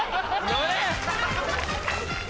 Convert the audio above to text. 乗れ！